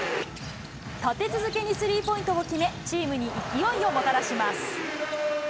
立て続けにスリーポイントを決め、チームに勢いをもたらします。